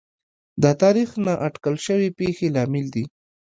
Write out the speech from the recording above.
د تاریخ نااټکل شوې پېښې لامل دي.